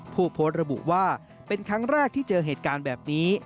ผู้โพสต์ระบุว่าเป็นครั้งแรกที่เจอเหตุการณ์แบบนี้